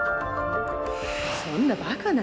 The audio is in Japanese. そんなバカな。